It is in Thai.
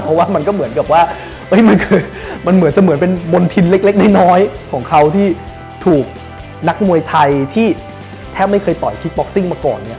เพราะว่ามันก็เหมือนกับว่ามันคือมันเหมือนจะเหมือนเป็นมณฑินเล็กน้อยของเขาที่ถูกนักมวยไทยที่แทบไม่เคยต่อยคิกบ็อกซิ่งมาก่อนเนี่ย